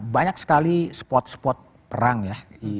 banyak sekali spot spot perang ya